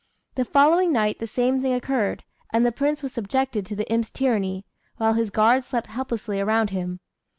The following night the same thing occurred, and the Prince was subjected to the imp's tyranny, while his guards slept helplessly around him.